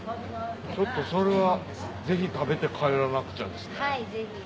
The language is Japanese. ちょっとそれはぜひ食べて帰らなくちゃですね。